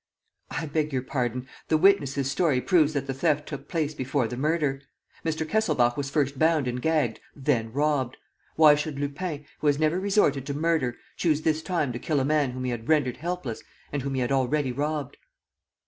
"I beg your pardon; the witnesses' story proves that the theft took place before the murder. Mr. Kesselbach was first bound and gagged, then robbed. Why should Lupin, who has never resorted to murder, choose this time to kill a man whom he had rendered helpless and whom he had already robbed?"